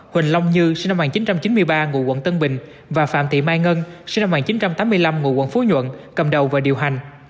huỳnh long như sinh năm một nghìn chín trăm chín mươi ba ngụ quận tân bình và phạm thị mai ngân sinh năm một nghìn chín trăm tám mươi năm ngụ quận phú nhuận cầm đầu và điều hành